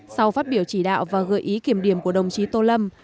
sau phát biểu chỉ đạo và gợi ý kiểm điểm của đồng chí tô lâm